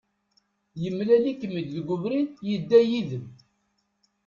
Yemlal-ikem-id deg ubrid, yedda yid-m.